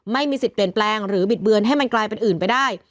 ไม่มีสิทธิ์เปลี่ยนแปลงหรือบิดเบือนให้มันกลายเป็นอื่นไปได้